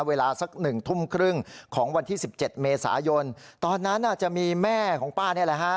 เวลาสัก๑ทุ่มครึ่งของวันที่๑๗เมษายนตอนนั้นน่ะจะมีแม่ของป้านี่แหละฮะ